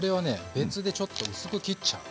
別でちょっと薄く切っちゃう。